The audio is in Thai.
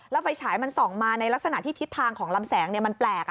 แล้วไฟฉายมันส่องมาในลักษณะที่ทิศทางของลำแสงมันแปลก